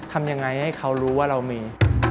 ทำยังไงให้เขารู้ว่าเรามี